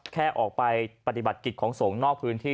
แค่ออกไปปฏิบัติกิจของสงฆ์นอกพื้นที่